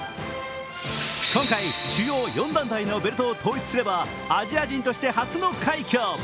今回、主要４団体のベルトを統一すればアジア人として初の快挙。